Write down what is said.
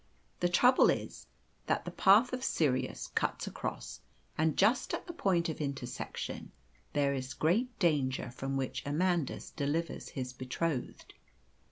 The trouble is, that the path of Sirius cuts across, and, just at the point of intersection, there is a great danger from which Amandus delivers his betrothed.